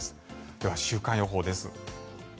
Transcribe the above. では週間予報です。